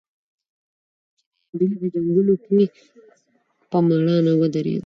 چې د امبېلې په جنګونو کې په مړانه ودرېد.